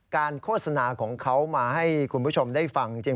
โฆษณาของเขามาให้คุณผู้ชมได้ฟังจริง